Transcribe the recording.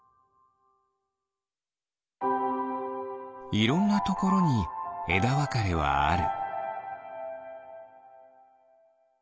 いろんなところにえだわかれはある。